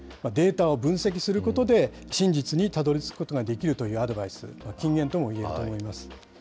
データを分析することで、真実にたどりつくことができるというアドバイス、金言ともいえると思います。